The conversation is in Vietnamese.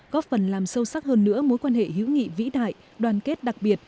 góp phần làm sâu sắc hơn nữa mối quan hệ hữu nghị vĩ đại đoàn kết đặc biệt